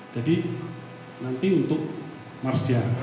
jadi nanti untuk marsdia